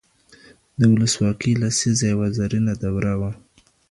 د ولسواکۍ لسيزه يوه زرينه دوره وه.